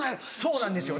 そうなんですよ！